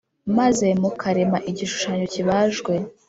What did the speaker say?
maze mukarema igishushanyo kibajwe,